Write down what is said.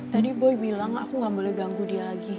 tadi boy bilang aku gak boleh ganggu dia lagi